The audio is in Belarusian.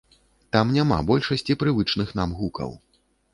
Там няма большасці прывычных нам гукаў.